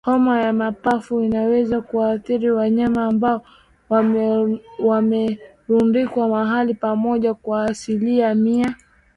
Homa ya mapafu inaweza kuathiri wanyama ambao wamerundikwa mahali pamoja kwa asilimia mia moja